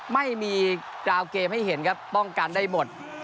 ไม่มีกราวเกมให้เห็นครับป้องกันได้หมด